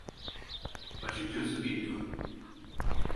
Açıkçası bilmiyorum.